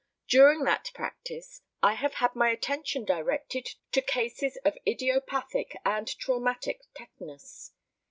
During that practice I have had my attention directed to cases of idiopathic and traumatic tetanus.